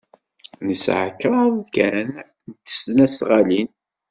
Nesɛa kraḍt kan n tesnasɣalin.